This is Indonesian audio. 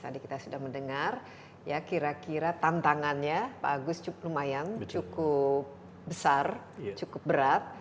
tadi kita sudah mendengar ya kira kira tantangannya pak agus lumayan cukup besar cukup berat